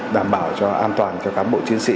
đảm bảo cho an toàn cho cán bộ chiến sĩ